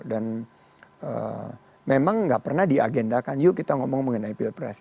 dan memang gak pernah diagendakan yuk kita ngomong mengenai pilpres